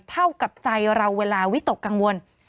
เท่ากับใจเราเวลาวิตกกังวล